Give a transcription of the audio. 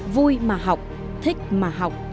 vui mà học thích mà học